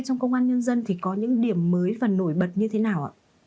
công an nhân dân có những điểm mới và nổi bật như thế nào